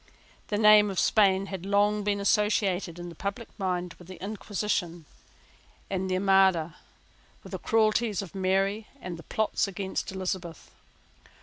The name of Spain had long been associated in the public mind with the Inquisition and the Armada, with the cruelties of Mary and the plots against Elizabeth.